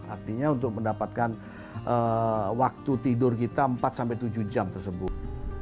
artinya untuk mendapatkan waktu tidur kita empat sampai tujuh jam tersebut